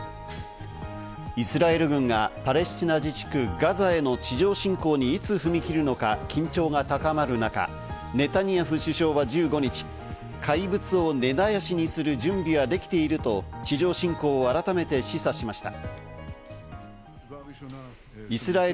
イスラエル軍がパレスチナ自治区ガザへの地上侵攻にいつ踏み切るのか、緊張が高まる中、ネタニヤフ首相は１５日、怪物を根絶やしにする準備はできていると地上侵攻を改めて示唆しました。